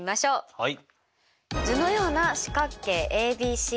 はい。